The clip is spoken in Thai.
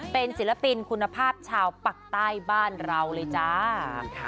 เป็นศิลปินคุณภาพชาวปักใต้บ้านเราเลยจ้า